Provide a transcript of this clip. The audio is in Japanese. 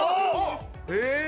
え！